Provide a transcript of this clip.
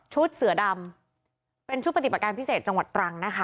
เสือดำเป็นชุดปฏิบัติการพิเศษจังหวัดตรังนะคะ